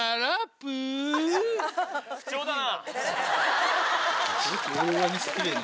不調だな。